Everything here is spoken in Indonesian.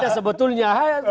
tidak ada sebetulnya